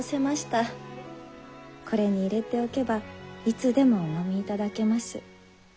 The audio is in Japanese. これに入れておけばいつでもおのみいただけます。